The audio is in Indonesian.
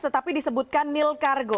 tetapi disebutkan nil cargo